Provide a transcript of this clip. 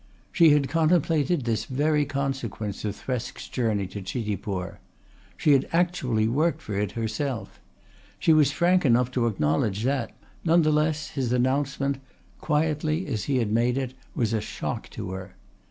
She had contemplated this very consequence of Thresk's journey to Chitipur. She had actually worked for it herself. She was frank enough to acknowledge that. None the less his announcement, quietly as he had made it, was a shock to her.